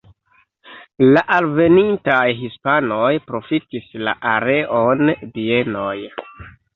La alvenintaj hispanoj profitis la areon bienoj.